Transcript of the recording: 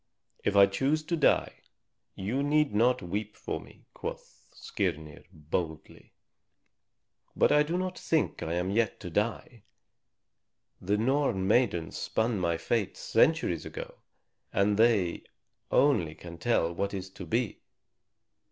"If I choose to die, you need not weep for me," quoth Skirnir boldly. "But I do not think that I am yet to die. The Norn maidens spun my fate centuries ago, and they only can tell what is to be."